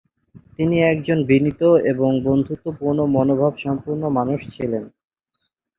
তিনি একজন বিনীত এবং বন্ধুত্বপূর্ণ মনোভাব সম্পন্ন মানুষ ছিলেন।